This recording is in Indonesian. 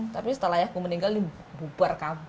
tapi setelah ayahku meninggal ini bubar kb